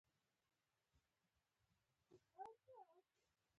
د وینې فشار لوړولو لپاره مالګه او اوبه وڅښئ